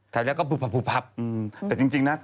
แต่จริงนะ